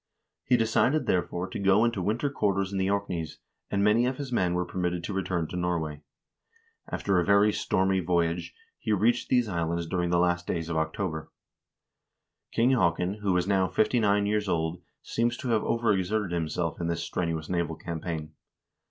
He decided, therefore, to go into winter quarters in the Orkneys, and many of his men were permitted to return to Norway. After a very stormy voyage, he reached these islands during the last days of October. King Haakon, who was now fifty nine years old, seems to have overexerted himself in this strenuous naval campaign.